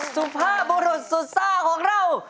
สุภาพบุรุษสุดซ่าของเรา